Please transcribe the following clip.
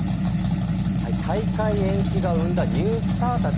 大会延期が生んだニュースターたち。